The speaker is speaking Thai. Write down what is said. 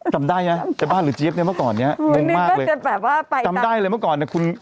จำได้นะจะบ้าหรือเจี๊ยบเนี่ยเมื่อก่อนเนี่ยมุ่งมากเลยจำได้เลยเมื่อก่อนเนี่ยคุณ